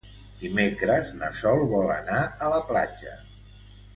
Dimecres na Sol vol anar a la platja.